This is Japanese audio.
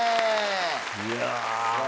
いや。